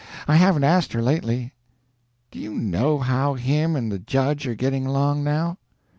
I haven't asked her lately." "Do you know how him and the judge are getting along now?"